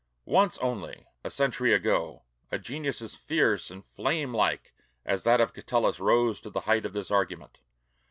Once only, a century ago, a genius as fierce and flame like as that of Catullus rose to the height of this argument.